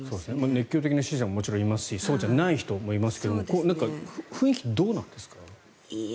熱狂的な支持者もいますしそうじゃない人もいますが雰囲気、どうなんですか。